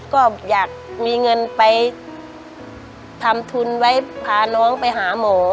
ก็อยากมีเงินไปทำทุนไว้พาน้องไปหาหมอ